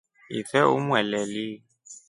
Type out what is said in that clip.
Ife umweleli.